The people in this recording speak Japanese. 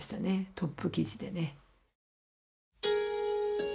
トップ記事でね。